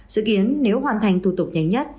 dự kiến nếu hoàn thành thủ tục nhanh nhất